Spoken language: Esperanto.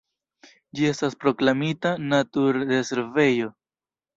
Ĝi estis proklamita naturrezervejo.